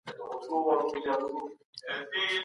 کثافات په خپلو ټاکل سوو ځایو کي اچول او همېشه انتقالول!